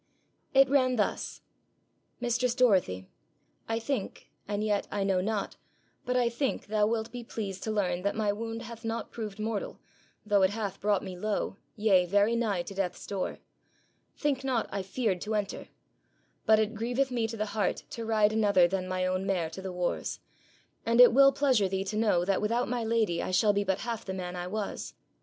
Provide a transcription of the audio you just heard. It ran thus 'Mistress Dorothy, I think, and yet I know not, but I think thou wilt be pleased to learn that my Wound hath not proved mortal, though it hath brought me low, yea, very nigh to Death's Door. Think not I feared to enter. But it grieveth me to the Heart to ride another than my own Mare to the Wars, and it will pleasure thee to know that without my Lady I shall be but Half the Man I was.